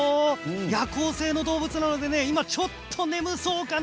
夜行性の動物なので今ちょっと眠そうかな。